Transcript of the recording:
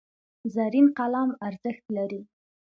زرین قلم ارزښت لري.